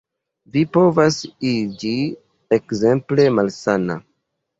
Vi povas iĝi ekzemple malsana.